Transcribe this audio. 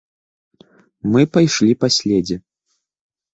Мы пайшлі па следзе.